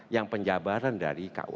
yang penjabaran dari kua tadi